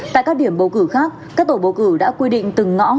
tại các điểm bầu cử khác các tổ bầu cử đã quy định từng ngõ